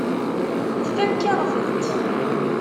Tfakk-aɣ-tent.